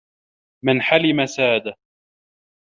مَنْ حَلِمَ سَادَ